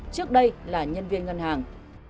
trước đây là nhân viên ngân hàng